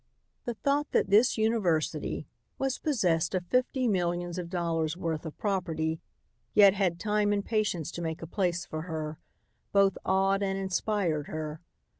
The thought that this university was possessed of fifty millions of dollars' worth of property, yet had time and patience to make a place for her, both awed and inspired her.